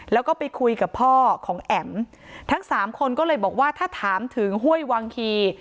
แล้วก็ไปคุยกับพ่อของแอ๋มทั้งสามคนก็เลยบอกว่าถ้าถามถึงห้วยวังคี